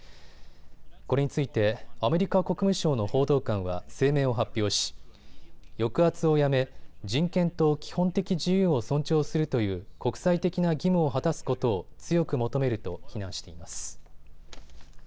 これについてアメリカ国務省の報道官は声明を発表し、抑圧をやめ、人権と基本的自由を尊重するという国際的な義務を果たすことを強く求めると非難しています。